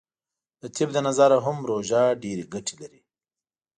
د طب له نظره هم روژه ډیرې ګټې لری .